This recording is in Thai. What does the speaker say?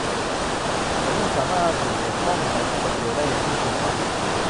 ฉันไม่สามารถอยู่ในห้องนั้นคนเดียวได้อย่างที่คุณทำ